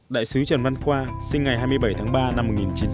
đại sứ trần văn khoa sinh ngày hai mươi bảy tháng ba năm một nghìn chín trăm bảy mươi